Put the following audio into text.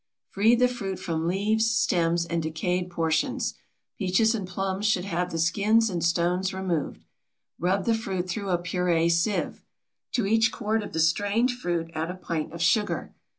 Free the fruit from leaves, stems, and decayed portions. Peaches and plums should have the skins and stones removed. Rub the fruit through a purée sieve. To each quart of the strained fruit add a pint of sugar.